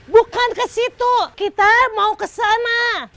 bukan ke situ kita mau ke sana